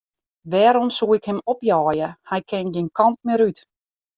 Wêrom soe ik him opjeie, hy kin gjin kant mear út.